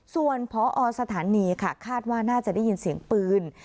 ส่วนพอสถานีค่ะคาดว่าน่าจะได้ยินเสียงปืน